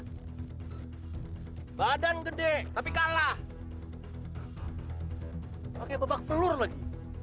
hai payah lu semua badan gede tapi kalah pakai babak pelur lagi